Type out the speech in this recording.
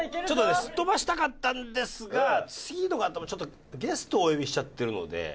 ちょっとねすっ飛ばしたかったんですが次のがちょっとゲストをお呼びしちゃってるので。